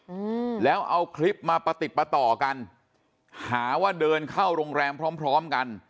อืมแล้วเอาคลิปมาประติดประต่อกันหาว่าเดินเข้าโรงแรมพร้อมพร้อมกัน